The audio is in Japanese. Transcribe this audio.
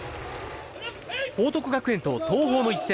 報徳学園と東邦の一戦。